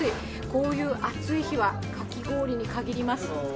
こういう暑い日は、かき氷に限ります。